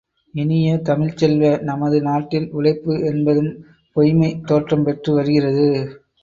இனிய தமிழ்ச் செல்வ, நமது நாட்டில் உழைப்பு என்பதும் பொய்ம்மை தோற்றம் பெற்று வருகிறது.